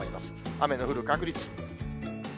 雨の降る確率。